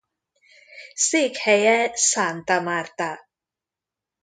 Székhelye Santa Marta.